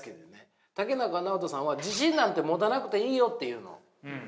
竹中直人さんは「自信なんて持たなくていいよ」って言うの。